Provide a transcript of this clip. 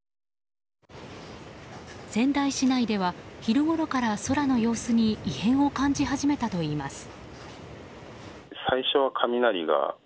仙台市内では昼ごろから空の様子に異変を感じ始めたといいます。